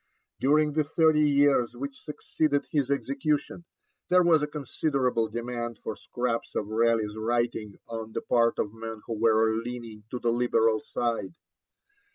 During the thirty years which succeeded his execution, there was a considerable demand for scraps of Raleigh's writing on the part of men who were leaning to the Liberal side.